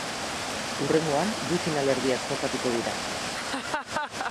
Hurrengoan bi finalerdiak jokatuko dira.